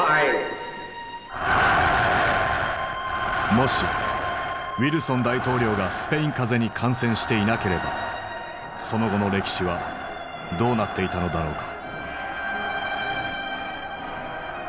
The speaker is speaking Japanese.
もしウィルソン大統領がスペイン風邪に感染していなければその後の歴史はどうなっていたのだろうか。